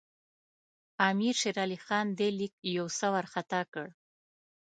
امیر شېر علي خان دې لیک یو څه وارخطا کړ.